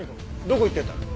どこ行ってたの？